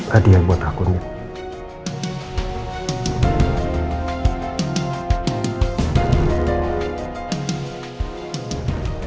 hadiah buat aku nih